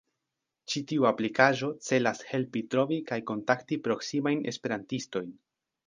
Ĉi tiu aplikaĵo celas helpi trovi kaj kontakti proksimajn esperantistojn.